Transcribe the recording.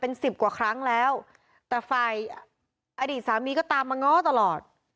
เป็นสิบกว่าครั้งแล้วแต่ฝ่ายอดีตสามีก็ตามมาง้อตลอด